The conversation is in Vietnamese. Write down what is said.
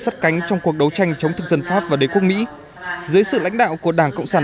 sắt cánh trong cuộc đấu tranh chống thực dân pháp và đế quốc mỹ dưới sự lãnh đạo của đảng cộng sản